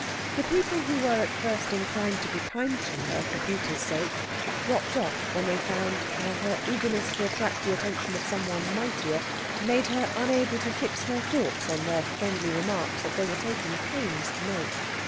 The people who were at first inclined to be kind to her for Peter's sake, dropped off when they found how her eagerness to attract the attention of some one mightier made her unable to fix her thoughts on the friendly remarks that they were taking pains to make.